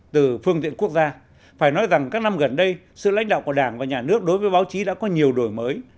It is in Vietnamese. từ phương diện quốc gia phải nói rằng các năm gần đây sự lãnh đạo của đảng và nhà nước đối với báo chí đã có nhiều đổi mới